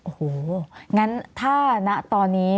โอ้โหงั้นถ้าณตอนนี้